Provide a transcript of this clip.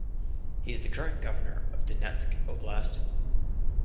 He is the current Governor of Donetsk Oblast.